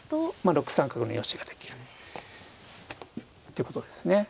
６三角の余地ができる。ってことですね。